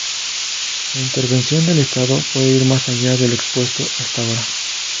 La intervención del Estado puede ir más allá de lo expuesto hasta ahora.